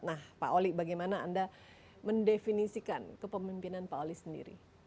nah pak oli bagaimana anda mendefinisikan kepemimpinan pak oli sendiri